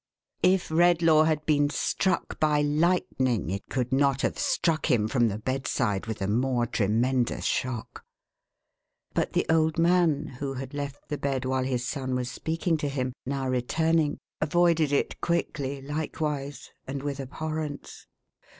If Redlaw had been struck by lightning, it could not have THE GIFT BESIDE A DEATH BED. 489 struck him from the bedside with a more tremendous shook. But the old man, who had left the bed while his son was speaking to him, now returning, avoided it quickly likewise, and with abhorrence.